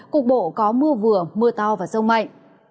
cục bộ có mưa vừa mưa to và rông mạnh